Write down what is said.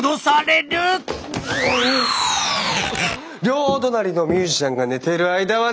両隣のミュージシャンが寝ている間はね！